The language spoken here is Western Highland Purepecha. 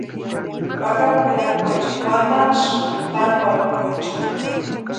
Pakatperakwaecha waxatʼanhasïnti tankwarhikweecharhu.